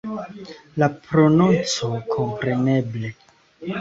La prononco, kompreneble.